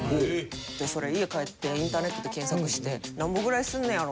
でそれ家帰ってインターネットで検索してなんぼぐらいすんのやろ？